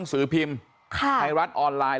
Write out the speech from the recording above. นังสือพิมพ์ไทอออนไลน์